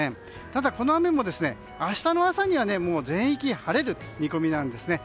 ただこの雨も、明日の朝には全域晴れる見込みなんですね。